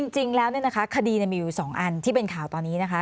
จริงแล้วเนี่ยนะคะคดีมีอยู่สองอันที่เป็นข่าวตอนนี้นะคะ